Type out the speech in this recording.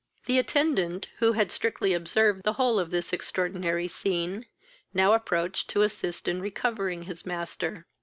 The attendant, who had strictly observed the whole of this extraordinary scene, now approached to assist in recovering his master.